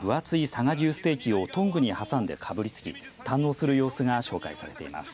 佐賀牛ステーキをトングに挟んでかぶりつき堪能する様子が紹介されています。